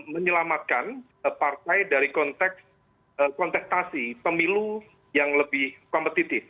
menyelamatkan partai dari konteks kontaktasi pemilu yang lebih kompetitif